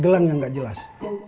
gelang yang gak jelas